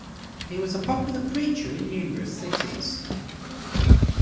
He was a popular preacher in numerous cities.